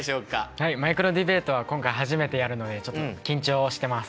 はいマイクロディベートは今回初めてやるのでちょっと緊張してます。